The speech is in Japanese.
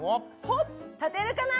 立てるかな？